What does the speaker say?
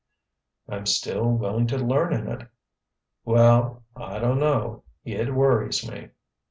"I'm still willing to learn in it." "Well—I don't know—it worries me."